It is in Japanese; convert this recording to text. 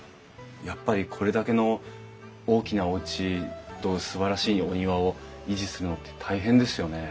やっぱりこれだけの大きなおうちとすばらしいお庭を維持するのって大変ですよね。